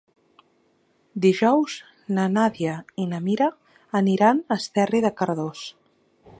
Dijous na Nàdia i na Mira aniran a Esterri de Cardós.